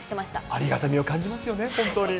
ありがたみを感じますよね、本当に。